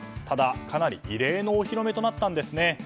ただ、かなり異例のお披露目となったんですね。